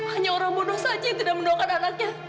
hanya orang bodoh saja yang tidak mendoakan anaknya